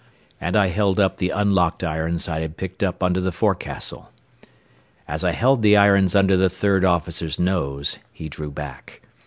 And I held up the unlocked irons I had picked up under the forecastle. As I held the irons under the third officer's nose, he drew back.